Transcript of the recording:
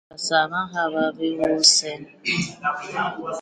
Len ini basaa ba nhaba bihôsen.